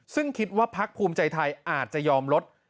ซึ่งคิดว่าพักภูมิใจไทยอาจจะยอมลด